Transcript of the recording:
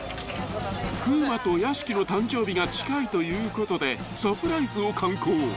［風磨と屋敷の誕生日が近いということでサプライズを敢行］